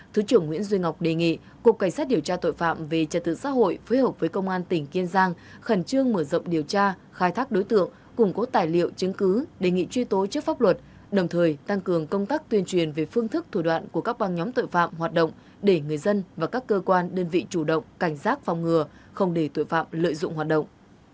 thứ trưởng nguyễn duy ngọc đề nghị cục cảnh sát điều tra tội phạm về trật tự xã hội phối hợp với công an tỉnh kiên giang khẩn trương mở rộng điều tra khai thác đối tượng củng cố tài liệu chứng cứ đề nghị truy tố trước pháp luật đồng thời tăng cường công tác tuyên truyền về phương thức thủ đoạn của các băng nhóm tội phạm hoạt động để người dân và các cơ quan đơn vị chủ động cảnh giác phòng ngừa không để tội phạm lợi dụng hoạt động